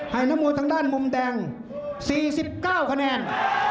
นักมวยทางด้านมุมแดง๔๙คะแนน